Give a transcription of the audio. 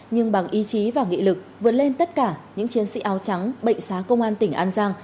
nhưng bằng ý chí và nghị lực vượt lên tất cả những chiến sĩ áo trắng bệnh xá công an tỉnh an giang